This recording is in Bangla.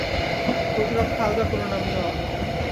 প্রতিরক্ষা আলগা কোরো না, মিওয়া!